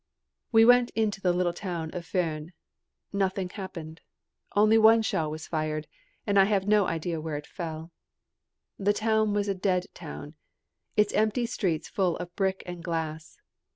We went into the little town of Furnes. Nothing happened. Only one shell was fired, and I have no idea where it fell. The town was a dead town, its empty streets full of brick and glass.